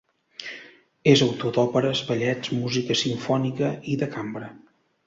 És autor d'òperes, ballets, música simfònica i de cambra.